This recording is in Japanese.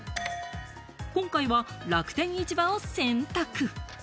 今回は楽天市場を選択。